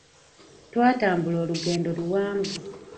Twatambula olugendo luwanvu.